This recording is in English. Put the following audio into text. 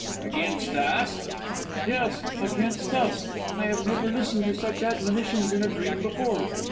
"Against us!" "Yes, against us! I have never listened to such admonitions in a dream before.